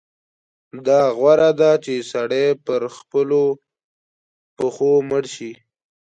دا غوره ده چې سړی پر خپلو پښو مړ شي.